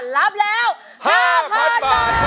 รับแล้ว๕๐๐๐บาทครับ